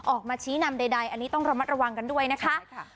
ออกมาชี้นำใดอันนี้ต้องระมัดระวังกันด้วยนะคะ